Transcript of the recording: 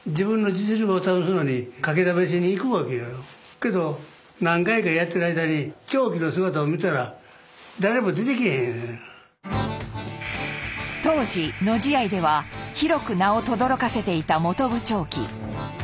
けど何回かやってる間に当時野試合では広く名をとどろかせていた本部朝基。